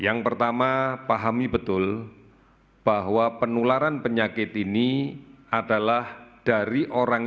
yang pertama pahami betul bahwa penularan penyakit ini adalah dari orang